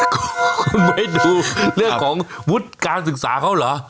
คุณไม่ดูเรื่องของวุฒิการศึกษาเขาเหรอ